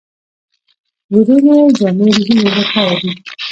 وړینې جامې د ژمي لپاره دي